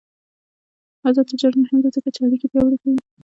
آزاد تجارت مهم دی ځکه چې اړیکې پیاوړې کوي.